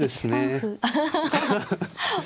アハハハ